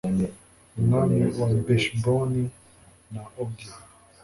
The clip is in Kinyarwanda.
umwami wa heshiboni, na ogi